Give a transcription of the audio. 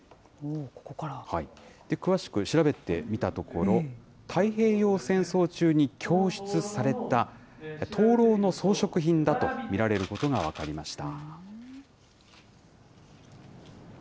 詳しく調べてみたところ、太平洋戦争中に供出された灯籠の装飾品だと見られることが分かりました。